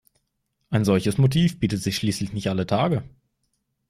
Ein solches Motiv bietet sich schließlich nicht alle Tage.